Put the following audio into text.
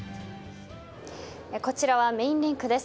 こちらはメーンリンクです。